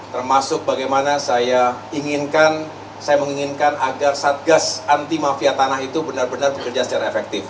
termasuk bagaimana saya inginkan saya menginginkan agar satgas anti mafia tanah itu benar benar bekerja secara efektif